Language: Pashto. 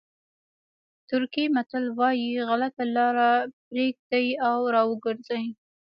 ترکي متل وایي غلطه لاره پرېږدئ او را وګرځئ.